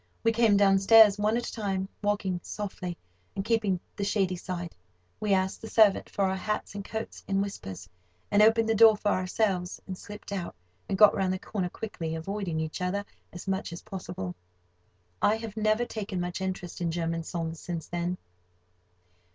We came downstairs one at a time, walking softly, and keeping the shady side. We asked the servant for our hats and coats in whispers, and opened the door for ourselves, and slipped out, and got round the corner quickly, avoiding each other as much as possible. I have never taken much interest in German songs since then.